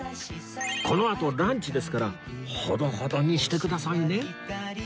このあとランチですからほどほどにしてくださいね